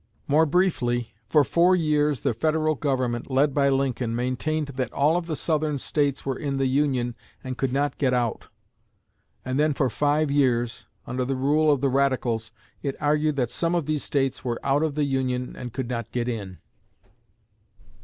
More briefly, for four years the Federal government, led by Lincoln, maintained that all of the Southern States were in the Union and could not get out; and then for five years, under the rule of the Radicals, it argued that some of these States were out of the Union and could not get in!